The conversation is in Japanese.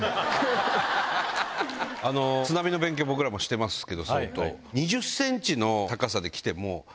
津波の勉強僕らもしてますけど相当。